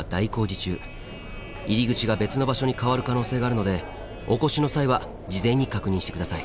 入り口が別の場所に変わる可能性があるのでお越しの際は事前に確認して下さい。